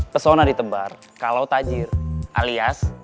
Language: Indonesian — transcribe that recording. pesona ditebar kalau tajir alias